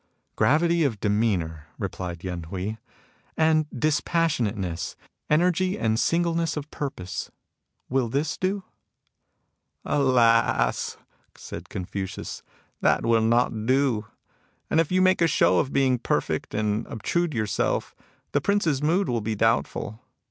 " Gravity of demeanour," replied Yen Hui, *' and dispassionateness ; energy and singleness of purpose, — ^will this do ?"" Alas !" said Confucius, " that will not do. If you make a show of being perfect and obtrude yourself, the Prince's mood will be doubtful.